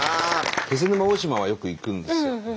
気仙沼大島はよく行くんですよ。